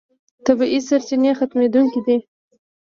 طبیعي سرچینې ختمېدونکې دي.